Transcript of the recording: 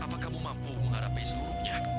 apakah kamu mampu menghadapi seluruhnya